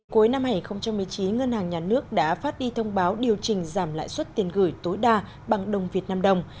cuối năm hai nghìn một mươi chín ngân hàng nhà nước đã phát đi thông báo điều chỉnh giảm lãi suất tiền gửi tối đa bằng đồng việt nam đồng